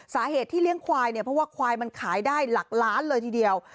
สาเหตุที่เลี้ยงควายเนี่ยเพราะว่าควายมันขายได้หลักล้านเลยทีเดียว